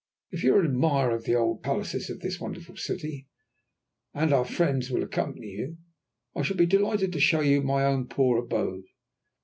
"If you are an admirer of the old palaces of this wonderful city, and our friends will accompany you, I shall be delighted to show you my own poor abode.